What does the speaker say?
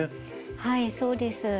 はいそうです。